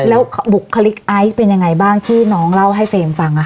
แล้วบุคลิกไอซ์เป็นยังไงบ้างที่น้องเล่าให้เฟรมฟัง